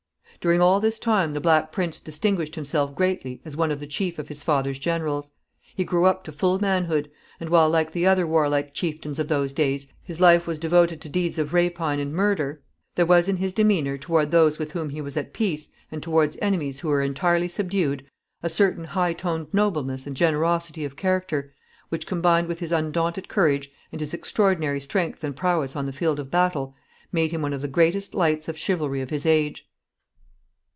During all this time the Black Prince distinguished himself greatly as one of the chief of his father's generals. He grew up to full manhood; and while, like the other warlike chieftains of those days, his life was devoted to deeds of rapine and murder, there was in his demeanor toward those with whom he was at peace, and toward enemies who were entirely subdued, a certain high toned nobleness and generosity of character, which, combined with his undaunted courage, and his extraordinary strength and prowess on the field of battle, made him one of the greatest lights of chivalry of his age.